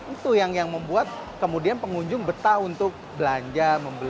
itu yang membuat pengunjung bertahun tahun belanja